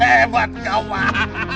hebat kau bang